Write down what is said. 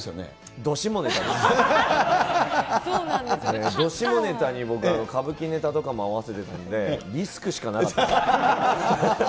ど下ネタに歌舞伎ネタとかも合わせてたんで、リスクしかなかったです。